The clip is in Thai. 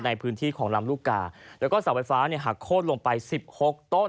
ในพื้นที่ของลำลูกกาแล้วก็เสาไฟฟ้าเนี่ยหักโค้นลงไป๑๖ต้น